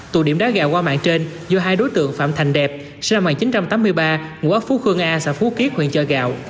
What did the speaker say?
tờ hộ của bà đinh thị tám sinh năm một nghìn chín trăm ba mươi ngũ ốc phú khương xê xã phú kiếp huyện trà gạo